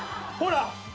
ほら。